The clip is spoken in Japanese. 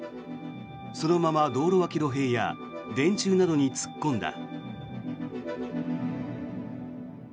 そのまま道路脇の塀や電柱などに突っ込んだ。